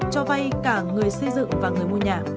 cho vay cả người xây dựng và người mua nhà